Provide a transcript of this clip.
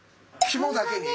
肝だけに？